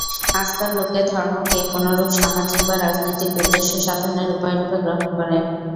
আজকাল লোকে ধর্মকে কোনরূপ সামাজিক বা রাজনৈতিক উদ্দেশ্য-সাধনের উপায়রূপে গ্রহণ করে।